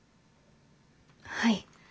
はい。